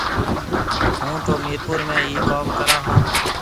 هُون تو ميرپور ۾ ئي ڪوم ڪرون هون۔